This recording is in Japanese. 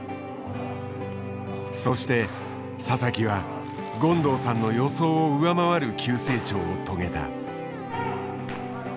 そして佐々木は権藤さんの予想を上回る急成長を遂げた。